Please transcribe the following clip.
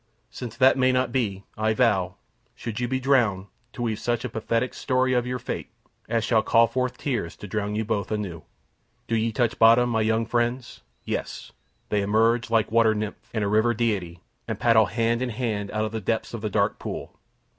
Since that may not be, I vow, should you be drowned, to weave such a pathetic story of your fate, as shall call forth tears enough to drown you both anew. Do ye touch bottom, my young friends? Yes; they emerge like a water nymph and a river deity, and paddle hand in hand out of the depths of the dark pool.